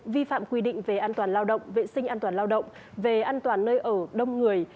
vi phạm quy định về an toàn lao động vệ sinh an toàn lao động về an toàn nơi ở đông người